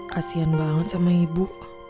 kasian banget sama ibu